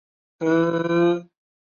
溶于水呈无色。